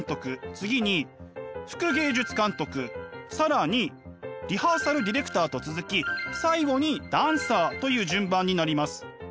次に副芸術監督更にリハーサル・ディレクターと続き最後にダンサーという順番になります。